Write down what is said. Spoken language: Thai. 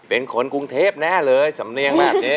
เป็นคนกรุงเทพแน่เลยสำเนียงแบบนี้